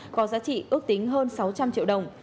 có giá trị ước tính hơn sáu trăm linh triệu đồng